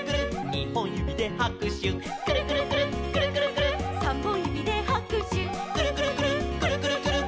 「にほんゆびではくしゅ」「くるくるくるっくるくるくるっ」「さんぼんゆびではくしゅ」「くるくるくるっくるくるくるっ」